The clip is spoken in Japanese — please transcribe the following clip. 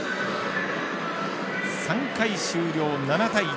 ３回終了、７対１。